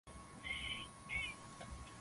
na mwaka elfu mbili na ishirini na moja